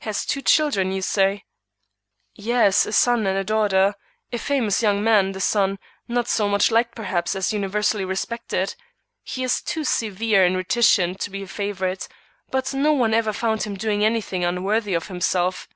"Has two children, you say?" "Yes, a son and a daughter: a famous young man, the son; not so much liked, perhaps, as universally respected. He is too severe and reticent to be a favorite, but no one ever found him doing any thing unworthy of himself.